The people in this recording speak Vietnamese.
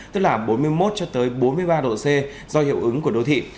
tức là bốn mươi một bốn mươi ba độ c do hiệu ứng của đô thị